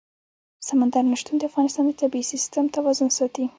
سمندر نه شتون د افغانستان د طبعي سیسټم توازن ساتي.